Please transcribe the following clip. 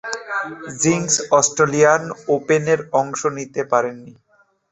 Zinc Australian ওপেনে অংশ নিতে পারেননি।